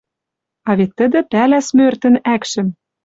А вет тӹдӹ пӓлӓ смӧртӹн ӓкшӹм